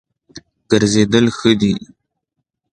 ګرځېدل ښه دی.